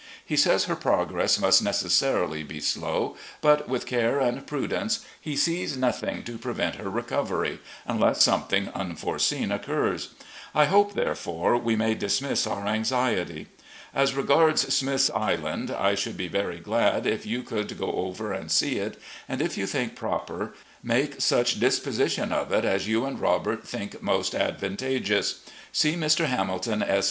LEE 3*3 says her progress must necessarily be slow, but with care and prudence he sees nothing to prevent her recovery, unless something unforeseen occurs. I hope, therefore, we may dismiss our anxiety. As regards Smith's Island, I should be very glad if you could go over and see it, and, if you think proper, make such disposition of it as you and Robert think most advantageous. See Mr. Hamilton S.